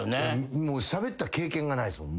しゃべった経験がないっすもん